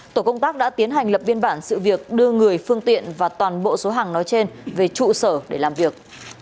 tổ công tác đã tiến hành lập biên bản sự việc đưa người phương tiện và toàn bộ số hàng nói trên về trụ sở để làm việc